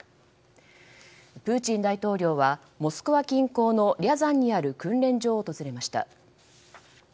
プーチン大統領はモスクワ近郊のリャザンにある訓練場を訪れました。